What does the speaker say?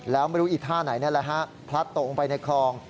แล้วไม่รู้อีกท่าไหนนี่แหละฮะพลัดตกลงไปในคลอง